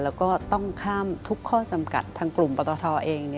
แล้วก็ต้องข้ามทุกข้อจำกัดทางกลุ่มปตทเอง